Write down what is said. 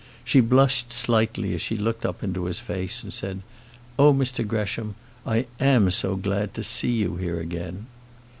She blushed slightly as she looked up into his face, and said: "Oh, Mr Gresham, I am so glad to see you here again."